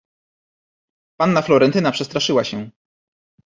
"Panna Florentyna przestraszyła się."